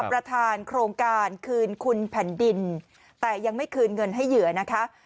ประธานโครงการคืนคุณแผ่นดินแต่ยังไม่คืนเงินให้เหยื่อนะคะ